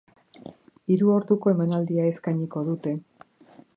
Hiru orduko emanaldia eskainiko dute.